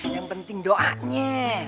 yang penting doanya